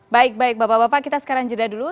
baik baik bapak bapak kita sekarang jeda dulu